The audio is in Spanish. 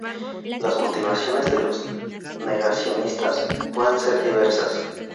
Las motivaciones de los negacionistas pueden ser diversas.